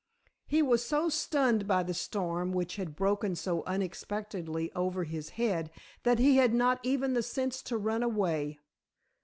He was so stunned by the storm which had broken so unexpectedly over his head, that he had not even the sense to run away.